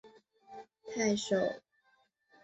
大区首府所在地为埃尔穆波利。